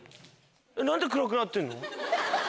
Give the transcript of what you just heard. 何で暗くなってんの？